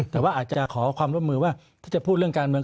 แต่ว่าอาจจะขอความร่วมมือว่าที่จะพูดเรื่องการเมือง